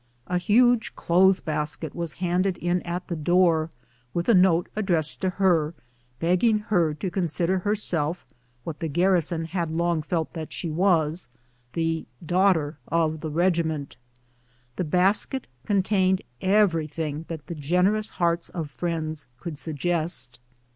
A huge clothes basket was handed in at the door, with a note addressed to her, begging her to con sider herself, what the garrison had long felt that she was, " the daughter of the regiment." The basket con tained everything that the generous hearts of friends could suggest.